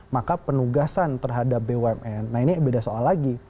maka penugasan terhadap bumn nah ini beda soal lagi